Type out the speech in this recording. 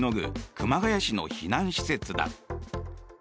熊谷市の避難施設だ。